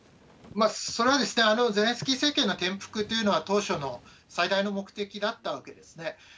それはゼレンスキー政権の転覆というのは、当初の最大の目的だったわけですね。